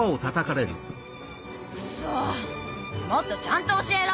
クソもっとちゃんと教えろ！